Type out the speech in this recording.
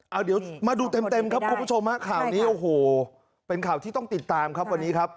เอาเดี๋ยวมาดูเต็มครับคุณผู้ชมฮะข่าวนี้โอ้โหเป็นข่าวที่ต้องติดตามครับวันนี้ครับ